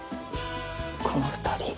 この２人。